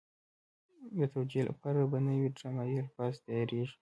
د توجیه لپاره به نوي ډرامایي الفاظ تیارېږي.